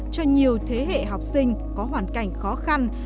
cho nhiều thế hệ học sinh có hoàn cảnh khó khăn